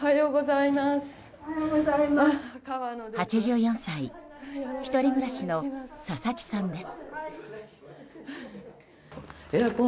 ８４歳、１人暮らしの佐々木さんです。